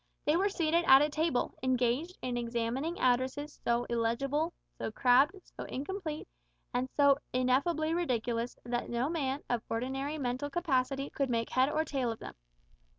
They were seated at a table, engaged in examining addresses so illegible, so crabbed, so incomplete, and so ineffably ridiculous, that no man of ordinary mental capacity could make head or tail of them.